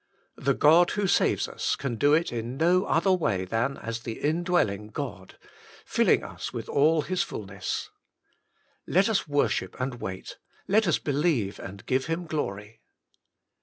The God who saves us can do it in no other way than as the indwelling God, filling us with all His fulness. Let us worship and wait ; let us believe and give Him glory.